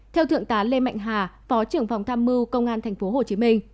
theo thượng tá lê mạnh hà phó trưởng phòng tham mưu công an tp hcm